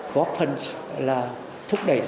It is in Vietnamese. góp phần là thúc đẩy doanh nghiệp